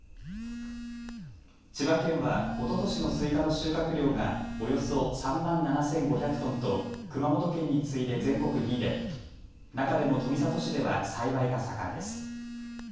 千葉県はおととしのスイカの収穫量がおよそ３万７５００トンと熊本県に次いで全国２位で中でも富里市では栽培が盛んです。